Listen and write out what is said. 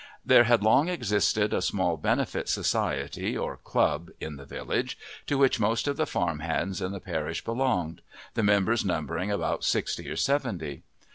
There had long existed a small benefit society or club in the village to which most of the farm hands in the parish belonged, the members numbering about sixty or seventy.